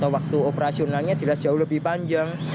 waktu operasionalnya jelas jauh lebih panjang